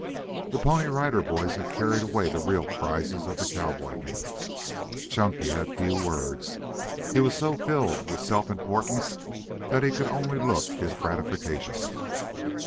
The Pony Rider Boys had carried away the real prizes of the cowboy meet. Chunky had few words. He was so filled with self importance that he could only look his gratification.